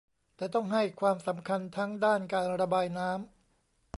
แต่ต้องให้ความสำคัญทั้งด้านการระบายน้ำ